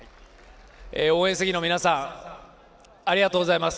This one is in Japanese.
応援席の皆さんありがとうございます。